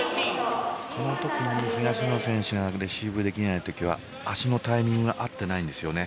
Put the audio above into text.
東野選手がレシーブできない時は足のタイミングが合っていないんですよね。